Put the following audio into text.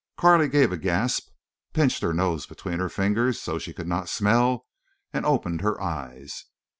Carley gave a gasp, pinched her nose between her fingers so she could not smell, and opened her eyes.